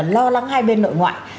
lo lắng hai bên nội ngoại